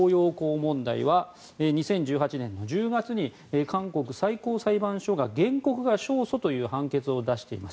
問題は２０１８年の１０月に韓国最高裁判所が原告が勝訴という判決を出しています。